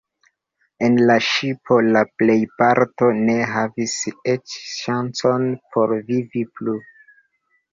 En la ŝipo la plejparto ne havis eĉ ŝancon por vivi plu.